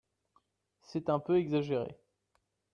C’est un peu exagéré